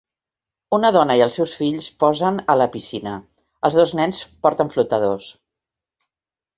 Una dona i els seus fills posen a la piscina. Els dos nens porten flotadors.